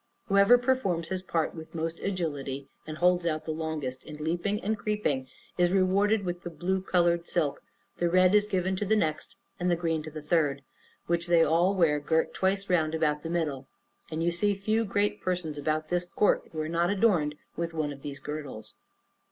Whoever performs his part with most agility, and holds out the longest in leaping and creeping, is rewarded with the blue colored silk, the red is given to the next, and the green to the third, which they all wear girt twice round about the middle, and you see few great persons about this court who are not adorned with one of these girdles.